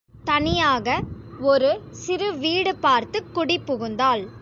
தனியாக ஒரு சிறு வீடு பார்த்துக் குடிபுகுந்தாள்.